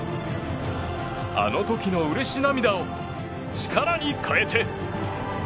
あの時のうれし涙を力に変えて。